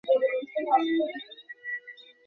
কাকে যে কী বোঝাচ্ছি আমি?